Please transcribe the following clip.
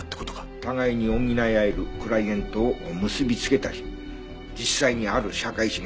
互いに補い合えるクライエントを結びつけたり実際にある社会資源